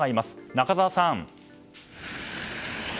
中澤さん。